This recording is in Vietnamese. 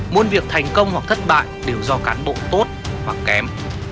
muôn việc thành công hoặc thất bại đều do cán bộ tốt hoặc kém